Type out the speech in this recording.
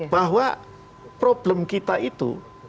bahwa problem kita itu